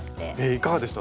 いかがでした？